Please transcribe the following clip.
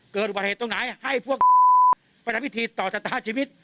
เกิดบัตรเหตุตรงไหนให้พวกประจำวิธีต่อจตาชีวิต